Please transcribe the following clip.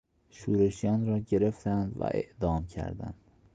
شورشیان را گرفتند و اعدام کردند.